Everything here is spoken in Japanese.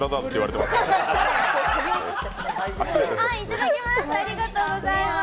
いただきます！